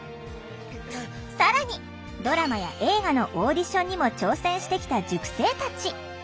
更にドラマや映画のオーディションにも挑戦してきた塾生たち。